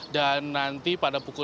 dan nanti pada pukul delapan